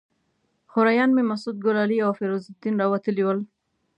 خوریان مې مسعود ګلالي او فیروز الدین راوتلي ول.